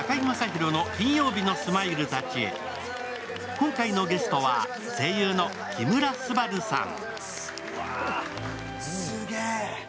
今回のゲストは声優の木村昴さん。